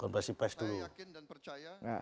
saya yakin dan percaya